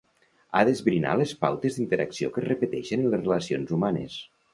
Ha d'esbrinar les pautes d'interacció que es repeteixen en les relacions humanes.